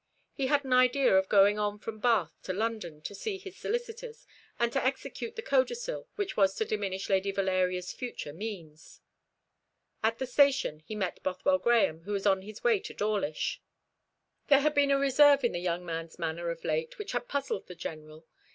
He had an idea of going on from Bath to London, to see his solicitors, and to execute the codicil which was to diminish Lady Valeria's future means. At the station he met Bothwell Grahame, who was on his way to Dawlish. There had been a reserve in the young man's manner of late which had puzzled the General.